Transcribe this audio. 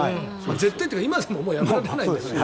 絶対というか今でも破られないけど。